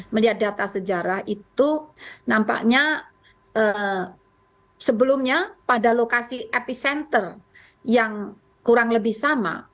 melihat data sejarah itu nampaknya sebelumnya pada lokasi epicenter yang kurang lebih sama